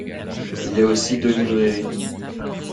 Il y a aussi deux librairies.